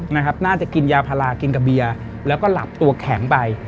น่าจะกินยาพารากินกับเบียร์แล้วก็หลับตัวแข็งไป